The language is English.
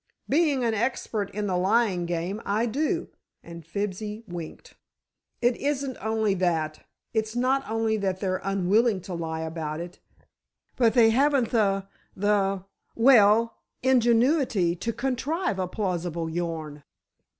"Being an expert in the lyin' game, I do," and Fibsy winked. "It isn't only that. It's not only that they're unwilling to lie about it, but they haven't the—the, well, ingenuity to contrive a plausible yarn."